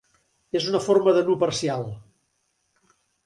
És una forma de nu parcial.